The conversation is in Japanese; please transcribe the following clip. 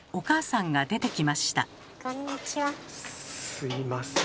すいません。